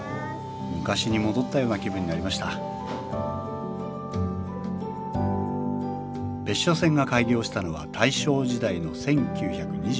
昔に戻ったような気分になりました別所線が開業したのは大正時代の１９２１年。